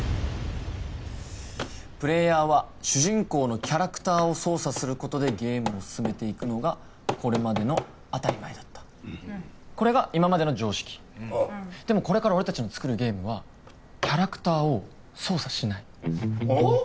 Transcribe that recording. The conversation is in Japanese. プレイヤーは主人公のキャラクターを操作することでゲームを進めていくのがこれまでの当たり前だったうんこれが今までの常識おうでもこれから俺達の作るゲームはキャラクターを操作しないほお？